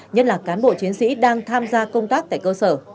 nhất là cán bộ chiến sĩ đang tham gia công tác tại cơ sở